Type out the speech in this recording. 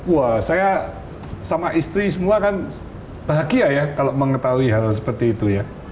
wah saya sama istri semua kan bahagia ya kalau mengetahui hal seperti itu ya